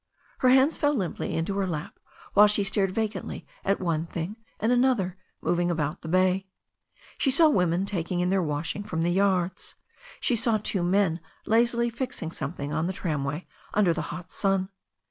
Her hands fell limply into her lap, while she stared vacantly at one thing and another moving about the bay. She saw women take in their washing from the yards. She saw two men lazily fixing something on the tramway under the hot sun.